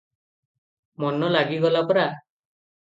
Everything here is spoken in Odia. ମନ ଲାଗିଗଲା ପରା ।